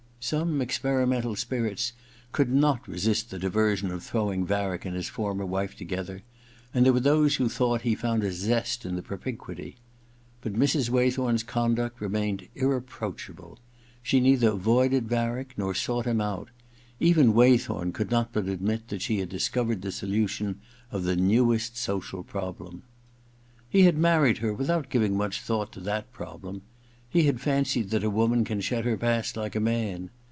Some experimental spirits could nof resist the diversion of throwing Varick and his former wife together, and there were those who thought he found a zest in the propinquity. But Mrs. Waythorn's conduct remained irre proachable. She neither avoided Varick nor sought him out. Even Waythorn could not but admit that she had discovered the solution of the newest social problem. He had married her without giving much thought to that problem. He had fancied that a woman can shed her past like a man.